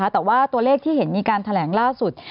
แต่ว่าตัวเลขที่เห็นมีการแถลงล่าสุด